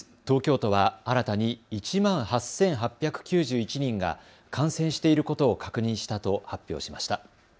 東京都は新たに１万８８９１人が感染していることを確認したと発表しました。